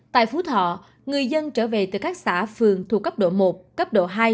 tại phú thọ người dân trở về từ các xã phường thuộc cấp độ một cấp độ hai